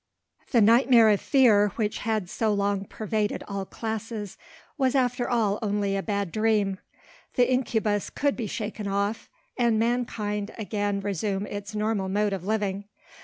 The nightmare of fear which had so long pervaded all classes, was after all only a bad dream; the incubus could be shaken off, and mankind again resume its normal mode of living.